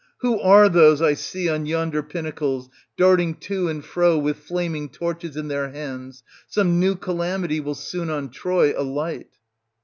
who are those I see on yonder pinnacles darting to and fro with flaming torches in their hands? Some new calamity will soon on Troy alight.